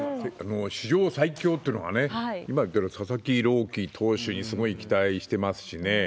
史上最強というのがね、佐々木朗希投手にすごく期待してますしね。